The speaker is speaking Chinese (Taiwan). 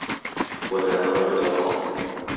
我台灣我驕傲